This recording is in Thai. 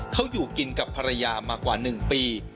เขาอยู่กินกับภรรยามากว่า๑ปี